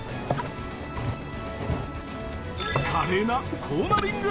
華麗なコーナリング。